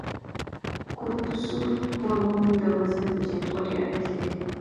کورتسول هورمون د وزن په زیاتوالي اغیز لري.